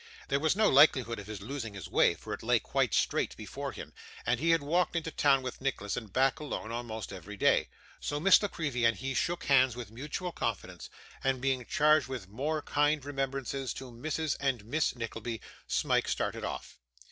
There was no likelihood of his losing his way, for it lay quite straight before him, and he had walked into town with Nicholas, and back alone, almost every day. So, Miss La Creevy and he shook hands with mutual confidence, and, being charged with more kind remembrances to Mrs. and Miss Nickleby, Smike started off.